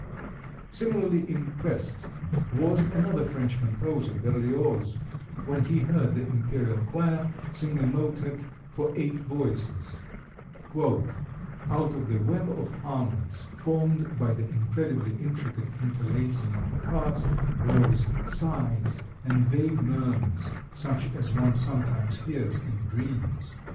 [Illustration: RUSSIAN ORGAN GRINDER] Similarly impressed was another French composer, Berlioz, when he heard the Imperial Choir sing a motet for eight voices: "Out of the web of harmonies formed by the incredibly intricate interlacing of the parts rose sighs and vague murmurs, such as one sometimes hears in dreams.